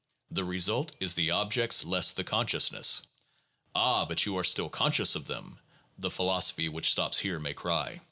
The result is the objects less the consciousness. "Ah! But you are still conscious of them," the philosophy which stops here may cry.